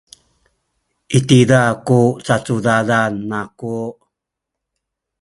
i tiza ku cacudadan aku.